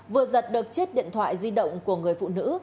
vừa giật được chiếc điện thoại di động của người phụ nữ